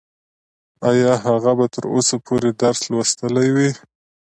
ايا هغه به تر اوسه پورې درس لوستلی وي؟